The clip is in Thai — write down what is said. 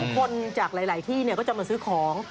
เพราะว่าคนจากหลายที่เนี่ยก็จะมาซื้อของ